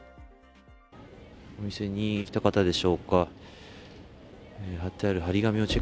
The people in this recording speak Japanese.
お店に来た方でしょうか。